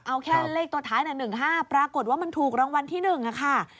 เอาแค่เลขตัวท้าย๑๕ปรากฏว่ามันถูกรางวัลที่๑ค่ะ